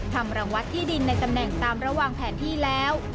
รังวัดที่ดินในตำแหน่งตามระหว่างแผนที่แล้ว